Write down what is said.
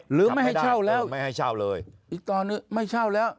หรือไม่ให้เช่าแล้วอีกตอนนึงไม่เช่าแล้ว